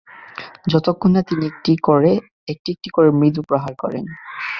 যতক্ষণ না তিনি একটি একটি করে মৃদু প্রহার করেন।